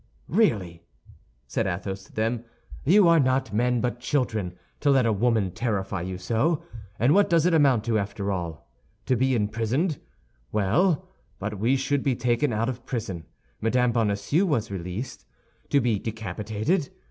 "Really," said Athos to them, "you are not men but children, to let a woman terrify you so! And what does it amount to, after all? To be imprisoned. Well, but we should be taken out of prison; Madame Bonacieux was released. To be decapitated?